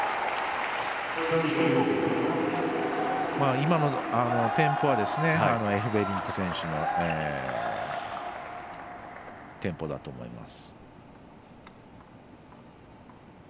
今のテンポはエフベリンク選手のテンポだと思います。